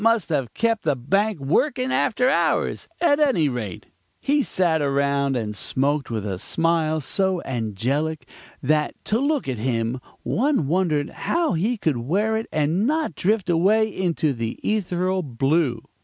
must have kept the bank working after hours; at any rate, he sat around and smoked with a smile so angelic, that, to look at him, one wondered how he could wear it and not drift away into the ethereal blue.